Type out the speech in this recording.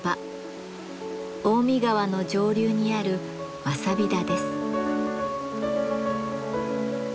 大見川の上流にあるわさび田です。